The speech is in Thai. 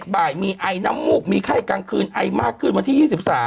บ่ายมีไอน้ำมูกมีไข้กลางคืนไอมากขึ้นวันที่๒๓